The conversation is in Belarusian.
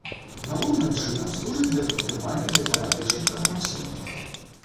Галоўным чынам, служыць для падтрымання дыпламатычных адносін.